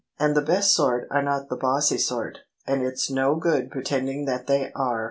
And the best sort are not the bossy sort, and it's no good pre tending that they are !